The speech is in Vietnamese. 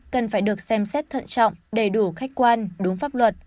cần phải được xem xét thận trọng đầy đủ khách quan đúng pháp luật